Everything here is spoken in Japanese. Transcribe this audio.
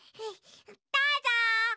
どうぞ！